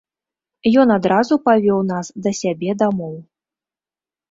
Ён адразу павёў нас да сябе дамоў.